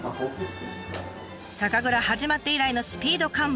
酒蔵始まって以来のスピード完売！